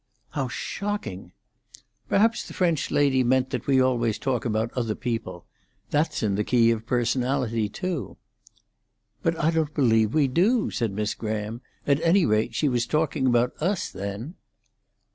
"How shocking!". "Perhaps the French lady meant that we always talk about other people. That's in the key of personality too." "But I don't believe we do," said Miss Graham. "At any rate, she was talking about us, then."